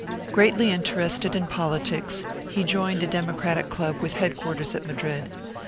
Greatly interested in politics, he joined a democratic club with headquarters at Madrid.